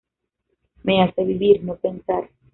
Me hace vivir, no pensar.